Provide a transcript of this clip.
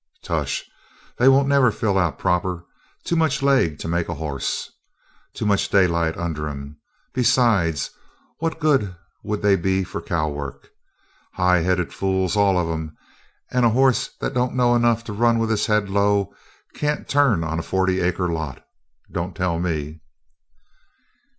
"Tush! They won't never fill out proper. Too much leg to make a hoss. Too much daylight under 'em. Besides, what good would they be for cow work? High headed fools, all of 'em, and a hoss that don't know enough to run with his head low can't turn on a forty acre lot. Don't tell me!"